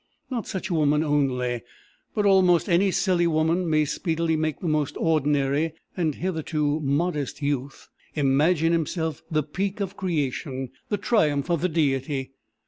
Not such a woman only, but almost any silly woman, may speedily make the most ordinary, and hitherto modest youth, imagine himself the peak of creation, the triumph of the Deity.